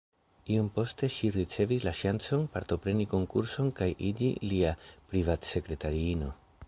Iom poste ŝi ricevis la ŝancon, partopreni konkurson kaj iĝi lia privat-sekretariino.